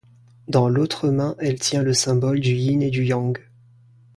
Dans l'autre main elle tient le symbole du Yin et du Yang.